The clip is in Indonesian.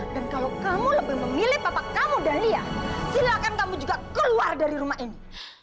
dan kalau kamu lebih memilih papa kamu dan lia silahkan kamu juga keluar dari rumah ini